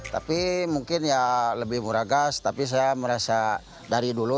tapi mungkin ya lebih murah gas tapi saya merasa dari dulu